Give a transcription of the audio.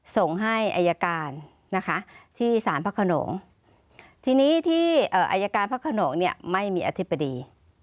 ส่งให้อายการนะคะที่สารพระขนงทีนี้ที่อายการพระขนงเนี่ยไม่มีอธิบดี